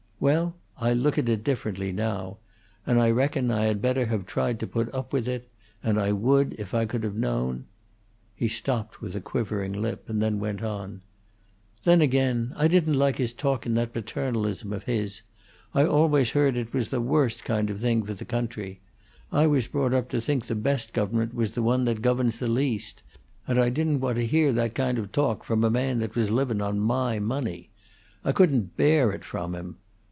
Well, I look at it differently now, and I reckon I had better have tried to put up with it; and I would, if I could have known " He stopped with a quivering lip, and then went on: "Then, again, I didn't like his talkin' that paternalism of his. I always heard it was the worst kind of thing for the country; I was brought up to think the best government was the one that governs the least; and I didn't want to hear that kind of talk from a man that was livin' on my money. I couldn't bear it from him.